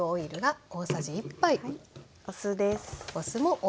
お酢です。